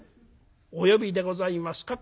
『お呼びでございますか？』